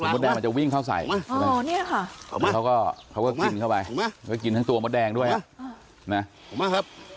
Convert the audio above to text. มันจะวิ่งเข้าใส่เขาก็กินเข้าไปกินทั้งตัวมดแดงด้วยครับ